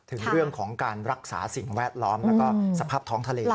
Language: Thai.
ถึงเรื่องของการรักษาสิ่งแวดล้อมแล้วก็สภาพท้องทะเล